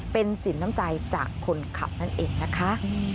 เป็นสินน้ำใจจากคนขับนั่นเองนะคะ